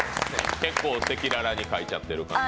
結構赤裸々に書いちゃってる感じ？